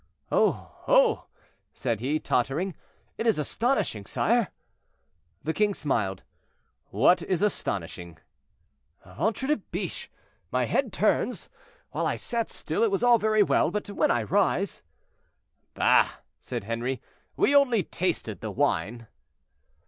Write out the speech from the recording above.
"Oh! oh!" said he, tottering, "it is astonishing, sire." The king smiled. "What is astonishing?" "Ventre de biche! my head turns; while I sat still, it was all very well, but when I rise—" "Bah!" said Henri, "we only tasted the wine."